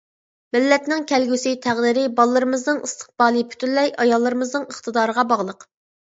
مىللەتنىڭ كەلگۈسى تەقدىرى، بالىلىرىمىزنىڭ ئىستىقبالى پۈتۈنلەي ئاياللىرىمىزنىڭ ئىقتىدارىغا باغلىق.